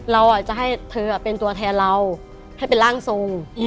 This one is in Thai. เราจะให้เธอเป็นตัวแทนเราให้เป็นร่างทรง